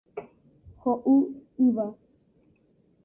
Ho'u yva.